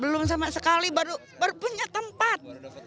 belum sama sekali baru punya tempat